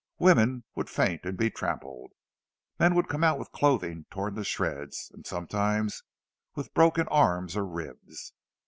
Women would faint and be trampled; men would come out with clothing torn to shreds, and sometimes with broken arms or ribs.